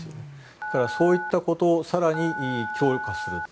だから、そういったことを更に強化すると。